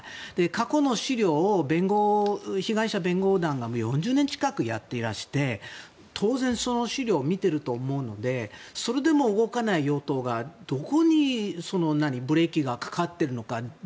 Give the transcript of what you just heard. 過去の資料を被害者弁護団が４０年近くやっていらして、当然その資料を見ていると思うのでそれでも動かない与党が、どこにブレーキがかかっているのか。